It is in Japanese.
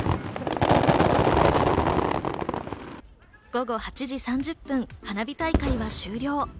午後８時３０分、花火大会は終了。